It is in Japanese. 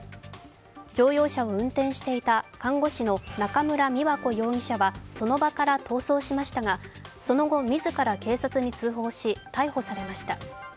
乗用車を運転していた看護師の中村美和子容疑者はその場から逃走しましたが、その後、自ら警察に通報し、逮捕されました。